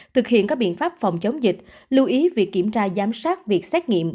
thực hiện các biện pháp phòng chống dịch lưu ý việc kiểm tra giám sát việc xét nghiệm